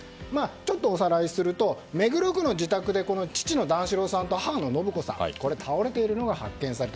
ちょっとおさらいすると目黒区の自宅で父の段四郎さんと母の延子さん倒れているのが発見された。